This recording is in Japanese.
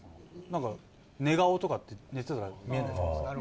なんか寝顔とかって寝てたら見えないじゃないですか。